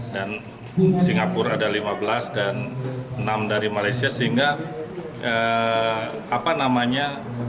dan singapura ada lima belas dan enam dari malaysia sehingga apa namanya